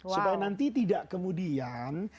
supaya nanti tidak kemudian